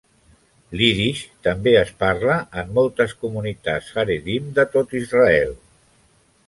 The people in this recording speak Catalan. L'ídix també es parla en moltes comunitats haredim de tot Israel.